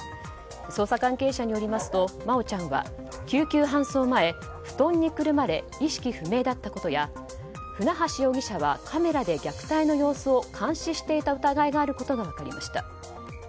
捜査関係者によりますと真愛ちゃんは救急搬送前、布団にくるまれ意識不明だったことや船橋容疑者はカメラで虐待の様子を監視していた疑いがあることが分かりました。